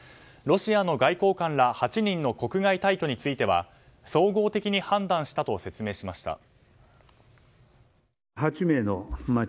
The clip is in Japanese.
ロシアの外交官ら８人の国外退去については総合的に判断したと説明しました。